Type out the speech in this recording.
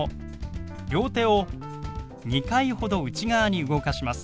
両手を２回ほど内側に動かします。